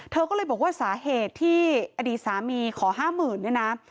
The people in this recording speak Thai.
เธอก็เลยบอกว่าสาเหตุที่อดีตสามีขอ๕๐๐๐เนี่ยนะ